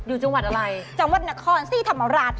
อยู่จังหวัดอะไรจังหวัดนครสีธรรมราช